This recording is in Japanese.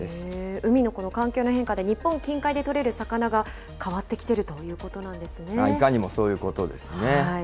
海の環境の変化で日本近海で取れる魚が変わってきてるといういかにもそういうことですね。